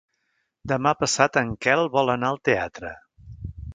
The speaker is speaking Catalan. Demà passat en Quel vol anar al teatre.